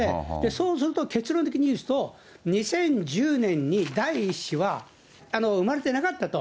そうすると結論的に言うと、２０１０年に第１子は生まれてなかったと。